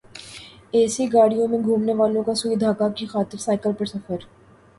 اے C گاڑیوں میں گھومنے والوں کا سوئی دھاگا کی خاطر سائیکل پر سفر